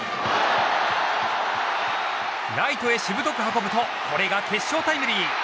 ライトへしぶとく運ぶとこれが決勝タイムリー。